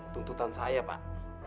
tuntutan saya pak